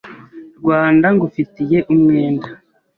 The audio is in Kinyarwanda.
Rwanda ngufitiye umwenda